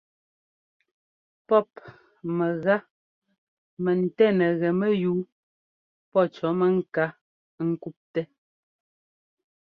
Pɔ́p mɛga mɛntɛ́ nɛgɛ mɛyúu pɔ́ cɔ̌ mɛŋká ŋ́kúptɛ́.